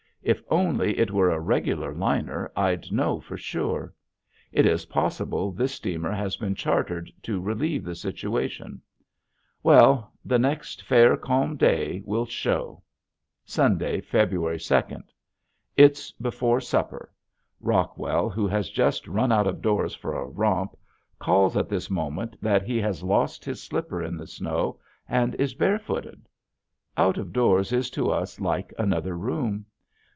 If only it were a regular liner I'd know for sure. It is possible this steamer has been chartered to relieve the situation. Well the next fair, calm day will show. [Illustration: THE HERMIT] Sunday, February second. It's before supper. Rockwell, who has just run out of doors for a romp, calls at this moment that he has lost his slipper in the snow and is barefooted. Out of doors is to us like another room.